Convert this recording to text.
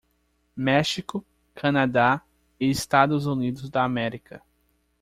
México, Canadá e Estados Unidos da América.